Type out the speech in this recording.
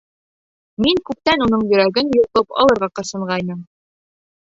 Мин күптән уның йөрәген йолҡоп алырға ҡырсынғайным.